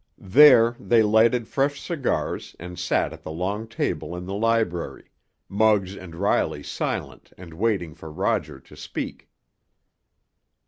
There they lighted fresh cigars and sat at the long table in the library, Muggs and Riley silent and waiting for Roger to speak.